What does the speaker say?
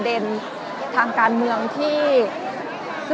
และที่อยู่ด้านหลังคุณยิ่งรักนะคะก็คือนางสาวคัตยาสวัสดีผลนะคะ